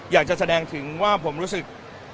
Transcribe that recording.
อยากจะแสดงถึงว่าผมรู้สึก